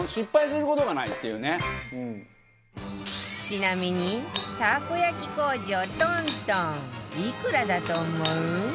ちなみにたこ焼き工場トントンいくらだと思う？